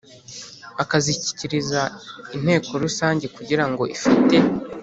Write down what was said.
akazishyikiriza Inteko Rusange kugirango ifate